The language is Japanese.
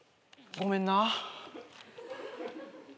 ごめんな。